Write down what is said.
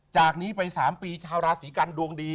จากนี้ไป๓ปีชาวราศีกันดวงดี